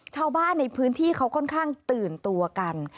ชาวบ้านในพื้นที่เขาค่อนข้างตื่นตัวกัน